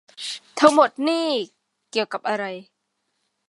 ทั้งหมดนี่เกี่ยวกับอะไร